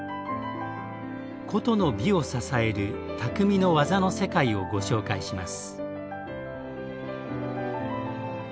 古都の美を支える「匠の技の世界」をご紹介します。